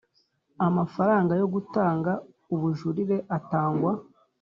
Amafaranga yo gutanga ubujurire atangwa